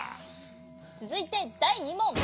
つづいてだい２もん。